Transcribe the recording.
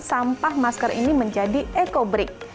sampah masker ini menjadi ecobrik